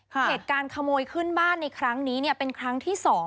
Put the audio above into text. พี่เอ๋แต่ว่าเหตุการณ์ขโมยขึ้นบ้านในครั้งนี้เนี่ยเป็นครั้งที่สอง